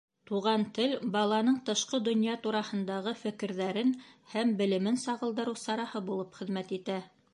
Туған тел баланың тышҡы донъя тураһындағы фекерҙәрен һәм белемен сағылдырыу сараһы булып хеҙмәт итә.